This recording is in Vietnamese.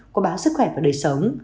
của báo sức khỏe và đời sống